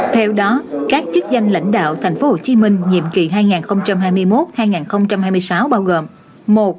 theo đó các chức danh lãnh đạo tp hcm nhiệm kỳ hai nghìn hai mươi một hai nghìn hai mươi sáu bao gồm